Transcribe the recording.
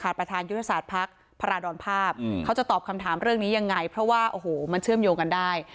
ประธานยุทธศาสตร์พักพาราดรภาพเขาจะตอบคำถามเรื่องนี้ยังไงเพราะว่าโอ้โหมันเชื่อมโยงกันได้